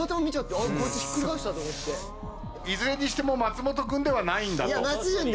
いずれにしても松本君ではないんだと。